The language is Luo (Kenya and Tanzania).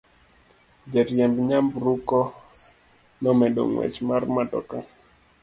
Jariemb nyamburko nomedo ng'wech mar matoka.